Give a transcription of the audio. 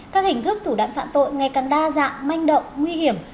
các hình thức thủ đoạn phạm tội ngày càng đa dạng manh động nguy hiểm